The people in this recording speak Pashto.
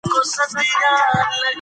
هلک په ډېرې چټکتیا سره منډې وهلې.